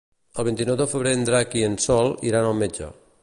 El vint-i-nou de febrer en Drac i en Sol iran al metge.